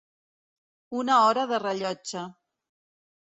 Una hora de rellotge.